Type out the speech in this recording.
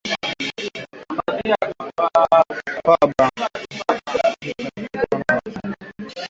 Vita vya Vikosi vya Kidemokrasia vya Ukombozi wa Rwanda vilianza mwaka elfu mbili kumi na mbili na kuendelea hadi mwaka elfu mbili kumi na tatu.